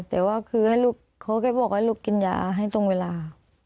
แต่ว่าเขาก็บอกให้ลูกกินยาให้ตรงเวลา